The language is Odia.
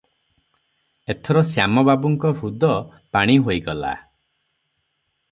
ଏଥର ଶ୍ୟାମ ବାବୁଙ୍କ ହୃଦ ପାଣି ହୋଇଗଲା ।